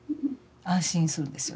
安心するんですよ。